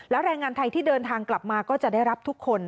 แล้วแรงงานไทยที่เดินทางกลับมาก็จะได้รับทุกคน